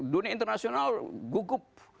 dunia internasional gugup